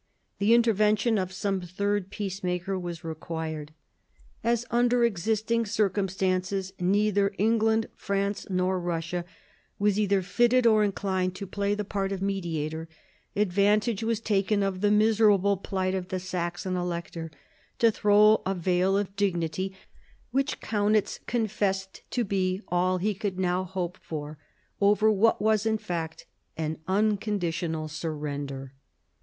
The intervention of some third peacemaker was required. As under existing circum stances neither England, France, nor Bussia was either fitted or inclined to play the part of mediator, advantage was taken of the miserable plight of the Saxon Elector to throw a veil of dignity, which Kaunitz confessed to be all he could now hope for, over what was in fact an unconditional surrender.